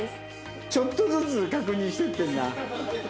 ちょっとずつ確認していってるな。